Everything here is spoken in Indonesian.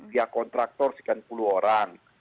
pihak kontraktor sekian puluh orang